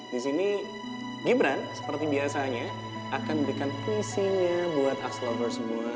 disini gibran seperti biasanya akan berikan visinya buat ask lovers semua